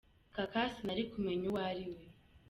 Kaka sinari kumenya uwo ari we.”